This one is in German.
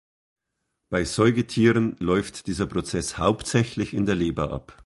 Bei Säugetieren läuft dieser Prozess hauptsächlich in der Leber ab.